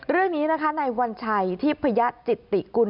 เรื่องนี้นะคะในวัญชัยทิพยจิตติกุล